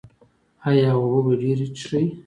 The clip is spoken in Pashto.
ایا اوبه به ډیرې څښئ؟